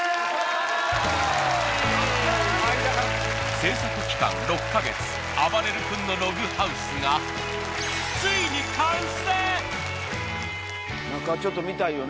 制作期間６カ月、あばれる君のログハウスがついに完成。